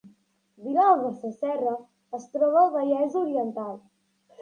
Vilalba Sasserra es troba al Vallès Oriental